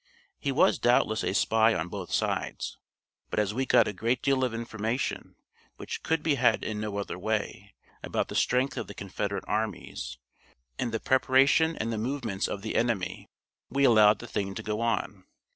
He was doubtless a spy on both sides; but as we got a great deal of information, which could be had in no other way, about the strength of the Confederate armies, and the preparations and the movements of the enemy, we allowed the thing to go on.